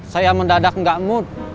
saya mendadak gak mood